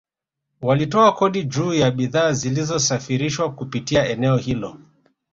Walitoza kodi juu ya bidhaa zilizosafirishwa kupitia eneo hilo